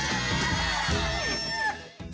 แล้วก็ข่าวบ้านเยอะ